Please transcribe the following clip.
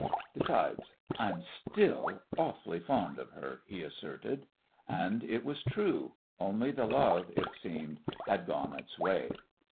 "Besides I'm still awfully fond of her," he asserted. And it was true; only the love, it seemed, had gone its way.